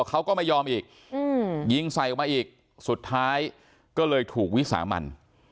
เขาก็ไม่ยอมอีกยิงใส่ออกมาอีกสุดท้ายก็เลยถูกวิสามัน